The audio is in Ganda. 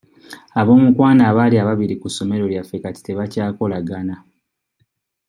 Ab'omukwano abaali ababiri ku ssomero lyaffe kati tebakyakolagana.